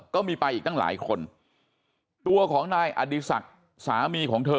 ก็มีไปอีกตั้งหลายคนตัวของนายอดีศักดิ์สามีของเธอ